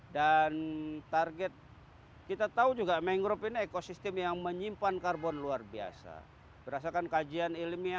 dan target kita tahu juga mengrob ini ekosistem yang menyimpan karbon luar biasa berasakan